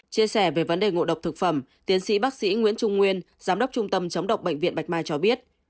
chia sẻ về vấn đề ngộ độc thực phẩm tiến sĩ bác sĩ nguyễn trung nguyên giám đốc trung tâm chống độc bệnh viện bạch mai cho biết